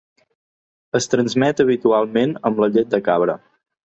Es transmet habitualment amb la llet de cabra.